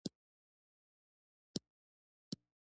امیبا د پروټوزوا مثال دی